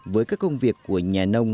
với các công việc của nhà nông